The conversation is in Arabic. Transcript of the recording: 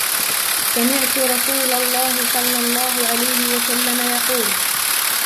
سَمِعْتُ رَسُولَ اللهِ صَلَّى اللهُ عَلَيْهِ وَسَلَّمَ يقولُ: